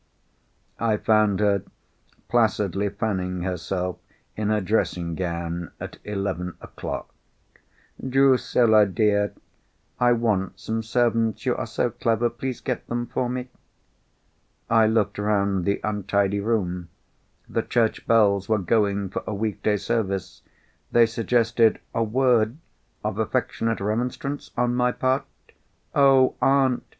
I found her placidly fanning herself in her dressing gown at eleven o'clock. "Drusilla, dear, I want some servants. You are so clever—please get them for me." I looked round the untidy room. The church bells were going for a week day service; they suggested a word of affectionate remonstrance on my part. "Oh, aunt!"